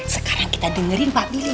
sekarang kita dengerin pak pilih